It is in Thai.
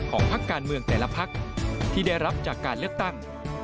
พักการเมืองแต่ละพักที่ได้รับจากการเลือกตั้ง